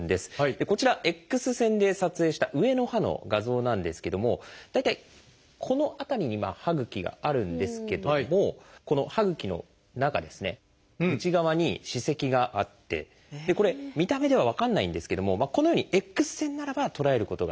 こちらＸ線で撮影した上の歯の画像なんですけども大体この辺りに歯ぐきがあるんですけどもこの歯ぐきの中ですね内側に歯石があってこれ見た目では分かんないんですけどもこのようにＸ線ならば捉えることができるんです。